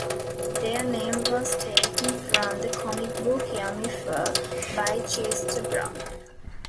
Their name was taken from the comic book "Yummy Fur" by Chester Brown.